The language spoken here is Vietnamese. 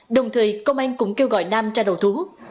đồng thời công an cũng kêu gọi nam ra đầu thú